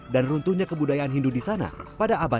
dan runtuhnya kebudayaan hindu di sana pada abad empat belas